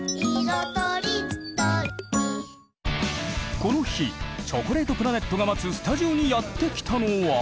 この日チョコレートプラネットが待つスタジオにやって来たのは？